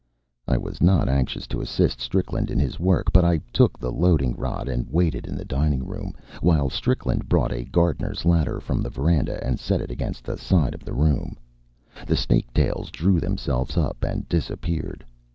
I was not anxious to assist Strickland in his work, but I took the loading rod and waited in the dining room, while Strickland brought a gardener's ladder from the veranda and set it against the side of the room. The snake tails drew themselves up and disappeared.